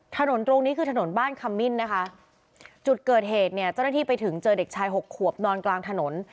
ถนนตรงนี้คือถนนบ้านคำมิ้นนะคะจุดเกิดเหตุเนี่ยเจ้าหน้าที่ไปถึงเจอเด็กชายหกขวบนอนกลางถนน